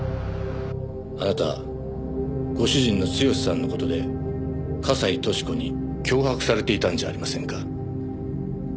あなたご主人の剛史さんの事で笠井俊子に脅迫されていたんじゃありませんか？